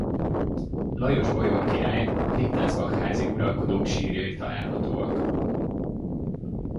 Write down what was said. Lajos bajor király a Wittelsbach-házi uralkodók sírjai találhatóak.